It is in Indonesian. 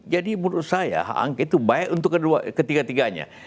jadi menurut saya hak angket itu baik untuk ketiga tiganya